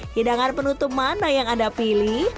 hidangan penutup mana yang anda pilih